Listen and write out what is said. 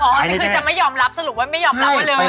เหรออ๋อคือจะไม่ยอมรับสรุปว่าไม่ยอมรับว่าลืม